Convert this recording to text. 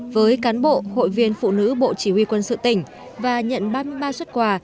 với cán bộ hội viên phụ nữ bộ chỉ huy quân sự tỉnh và nhận ba mươi ba xuất quà